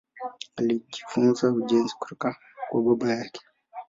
Alijifunza ujenzi kutoka kwa baba yake.